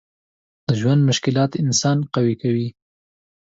د ژوند مشکلات انسان قوي کوي.